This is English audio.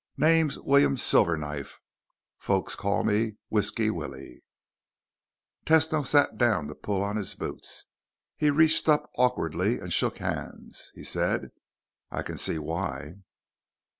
"Name's William Silverknife. Folks call me Whisky Willie." Tesno sat down to pull on his boots. He reached up awkwardly and shook hands. He said, "I can see why."